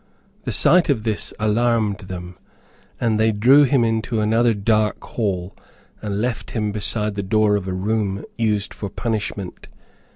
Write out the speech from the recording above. The sight of this alarmed them, and they drew him into another dark hall, and left him beside the door of a room used for punishment.